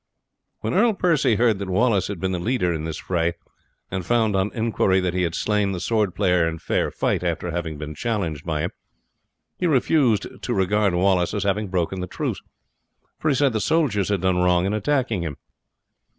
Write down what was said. When Earl Percy heard that Wallace had been the leader in this fray, and found on inquiry that he had slain the sword player in fair fight after having been challenged by him, he refused to regard him as having broken the truce, for he said the soldiers had done wrong in attacking him.